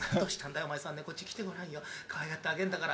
お前さんね、こっち来てごらんよ、かわいがってあげるんだから。